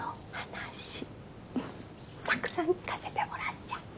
ウフッたくさん聞かせてもらっちゃった。